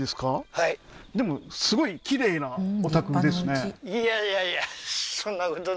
はいでもすごい綺麗なお宅ですね